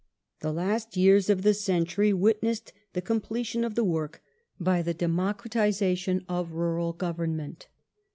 The last years of the century' witnessed the completion of the work by the democratization of Rural Government.